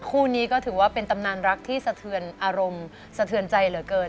คู่นี้ก็ถือว่าเป็นตำนานรักที่สะเทือนอารมณ์สะเทือนใจเหลือเกิน